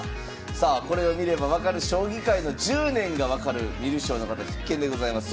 さあこれを見れば分かる将棋界の１０年が分かる観る将の方必見でございます。